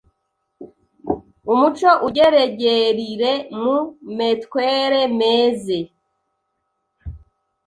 umuco ugeregerire mu metwere meze,